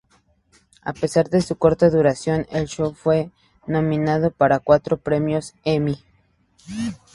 A pesar de su corta duración, el show fue nominado para cuatro premios Emmy.